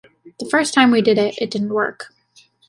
The first time we did it, it didn't work.